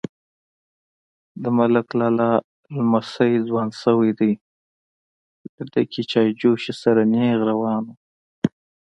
_د ملک لالا لمسی ځوان شوی دی، له ډکې چايجوشې سره نيغ روان و.